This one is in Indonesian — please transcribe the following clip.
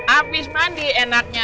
abis mandi enaknya